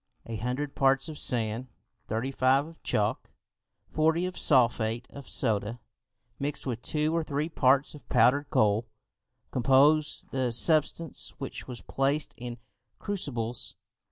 A hundred parts of sand thirty five of chalk, forty of sulphate of soda, mixed with two or three parts of powered coal, composed the substance which was placed in crucibles.